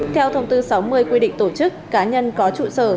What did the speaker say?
theo thông tư sáu mươi quy định tổ chức cá nhân có trụ sở